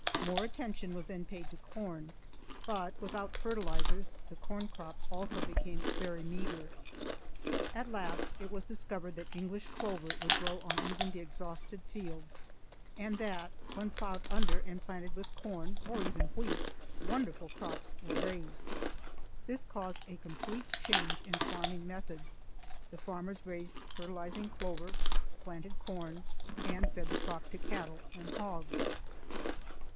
More attention was then paid to corn, but without fertilizers the corn crop also became very meagre. At last it was discovered that English clover would grow on even the exhausted fields, and that when ploughed under and planted with corn, or even wheat, wonderful crops were raised. This caused a complete change in farming methods; the farmers raised fertilizing clover, planted corn, and fed the crop to cattle and hogs.